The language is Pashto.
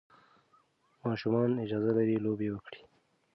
ماشومان اجازه لري لوبې وکړي.